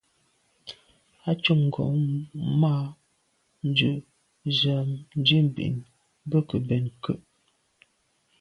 A côb ngòn mɑ̂ ɑ̀b ndʉ̂ Nzə̀ ɑ̌m Ndiagbin, bə̀ kə bɛ̀n ke.